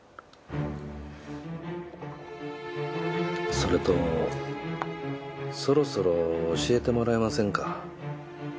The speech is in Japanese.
それとそろそろ教えてもらえませんか。